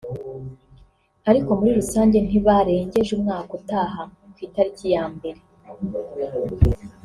ariko muri rusange ntibarengeje umwaka utaha ku itariki ya mbere